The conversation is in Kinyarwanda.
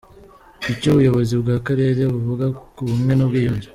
Icyo ubuyobozi bw’Akarere buvuga ku bumwe n’ubwiyunge .